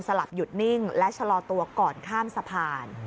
หลับหยุดนิ่งและชะลอตัวก่อนข้ามสะพาน